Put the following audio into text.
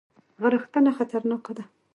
غرختنه خطرناکه ده؟